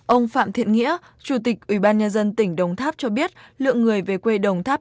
ông phạm thiện nghĩa chủ tịch ủy ban nhân dân tỉnh đồng tháp cho biết lượng người về quê đồng tháp